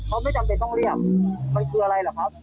เขาไม่จำเป็นต้องเรียกมันคืออะไรเหรอครับ